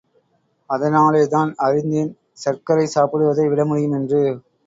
அதனாலேதான் அறிந்தேன் சர்க்கரை சாப்பிடுவதை விடமுடியும் என்று.